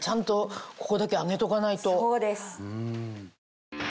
そうです。